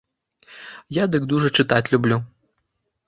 Я дык дужа чытаць люблю.